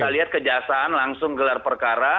kita lihat kejaksaan langsung gelar perkara